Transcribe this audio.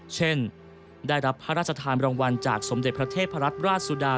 เช่นได้รับพระราชทานรางวัลจากสมเด็จพระเทพรัตนราชสุดา